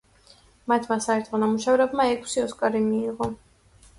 მათმა საერთო ნამუშევრებმა ექვსი ოსკარი მიიღო.